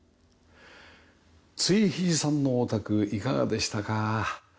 築比地さんのお宅いかがでしたか？